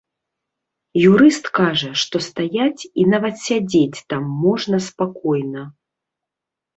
Юрыст кажа, што стаяць і нават сядзець там можна спакойна.